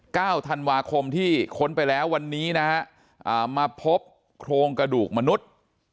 เก้าธันวาคมที่ค้นไปแล้ววันนี้นะฮะอ่ามาพบโครงกระดูกมนุษย์